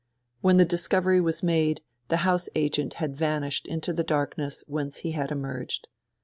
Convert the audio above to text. When the discovery was made the house agent had vanished into the darkness whence he had emerged.